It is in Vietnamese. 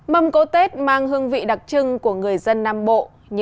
luôn thể hiện lòng thành kính